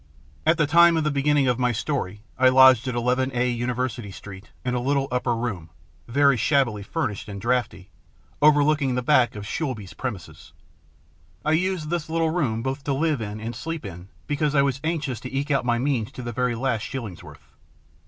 At the time of the beginning of my story I lodged at I IA University Street, in a little upper room, very shabbily fur nished, and draughty, overlooking the back of Shoolbred's premises. I used this little room both to live in and sleep in, because I was anxious to eke out my means to the very last shillingsworth.